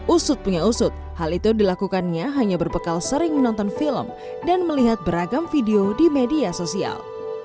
usut punya usut hal itu dilakukannya hanya berbekal sering menonton film dan melihat beragam video di media sosial